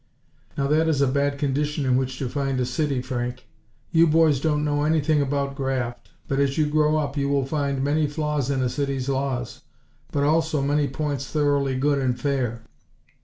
Now that is a bad condition in which to find a city, Frank. You boys don't know anything about graft; but as you grow up you will find many flaws in a city's laws; but also many points thoroughly good and fair.